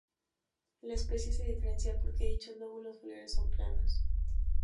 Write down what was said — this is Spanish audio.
La especie se diferencia porque dichos lóbulos foliares son planos.